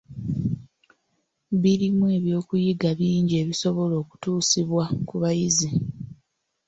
Birimu eby’okuyiga bingi ebisobola okutuusibwa ku bayizi.